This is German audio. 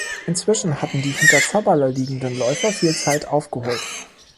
Inzwischen hatten die hinter Zabala liegenden Läufer viel Zeit aufgeholt.